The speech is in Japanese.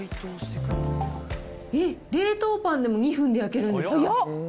えっ、冷凍パンでも２分で焼けるんですか？